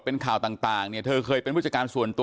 ลองฟังเสียงช่วงนี้ดูค่ะ